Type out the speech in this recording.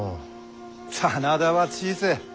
真田は小せえ。